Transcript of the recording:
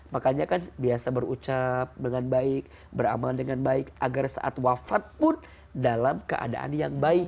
makanya kan biasa berucap dengan baik beramal dengan baik agar saat wafat pun dalam keadaan yang baik